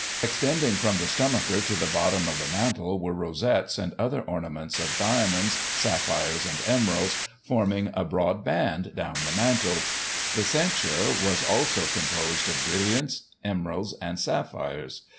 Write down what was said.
Extending from the stomacher to the bottom of the mantle were rosettes and other ornaments of diamonds, sapphires and emeralds, forming a broad band down the mantle. The ceinture was also composed of brilliants, emeralds and sapphires.